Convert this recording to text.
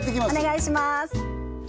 お願いします